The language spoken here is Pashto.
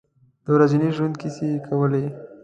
د ورځني ژوند کیسې یې کولې.